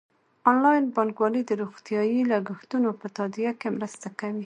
انلاین بانکوالي د روغتیايي لګښتونو په تادیه کې مرسته کوي.